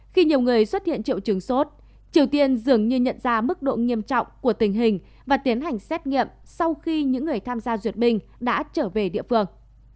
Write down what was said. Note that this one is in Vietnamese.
khi nhiều người xuất hiện triệu chứng sốt triều tiên dường như nhận ra mức độ nghiêm trọng của tình hình và tiến hành xét nghiệm sau khi những người tham gia duyệt binh đã trở về địa phương